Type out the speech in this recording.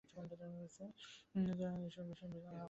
অপরের সঙ্গে ঈশ্বর-বিষয়ে আলাপ কর।